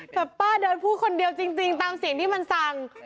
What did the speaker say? แต่ป้าเดินพูดคนเดียวจริงตามเสียงที่มันสั่ง